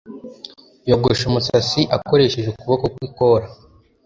Yogosha umusatsi akoresheje ukuboko kwikora